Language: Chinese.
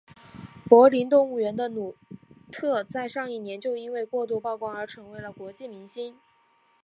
柏林动物园的努特在上一年就因为过度曝光而成为了国际明星。